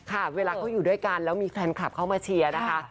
ค่ะเวลาเขาอยู่ด้วยกันแล้วมีแฟนคลับเข้ามาเชียร์นะคะ